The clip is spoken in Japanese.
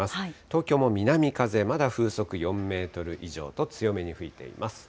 東京も南風、まだ風速４メートル以上と強めに吹いています。